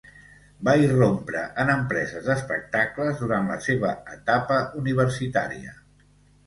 Va irrompre en empreses d'espectacles durant la seva etapa universitària.